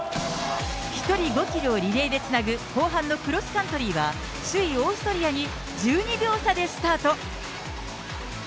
１人５キロをリレーでつなぐ、後半のクロスカントリーは、首位オーストリアに１２秒差でスタート。